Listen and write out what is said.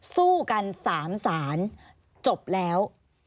สู้กัน๓ศาลจบแล้ว